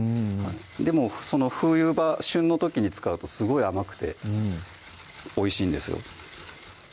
でも冬場旬の時に使うとすごい甘くておいしいんですよ